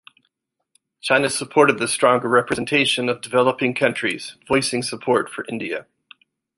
China supported the stronger representation of developing countries, voicing support for India.